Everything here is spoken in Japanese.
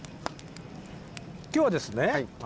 今日はですね